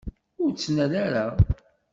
Ur ttnal ara.